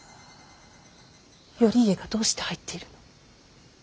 頼家がどうして入っているの。